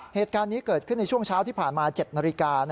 เหตุการณ์นี้เกิดขึ้นในช่วงเช้าที่ผ่านมา๗นาฬิกา